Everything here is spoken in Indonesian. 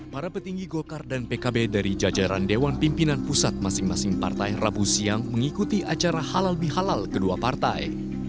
para petinggi golkar dan pkb dari jajaran dewan pimpinan pusat masing masing partai rabu siang mengikuti acara halal bihalal kedua partai